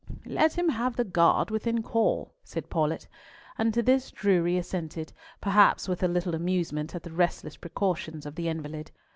"Let him have the guard within call," said Paulett, and to this Drury assented, perhaps with a little amusement at the restless precautions of the invalid.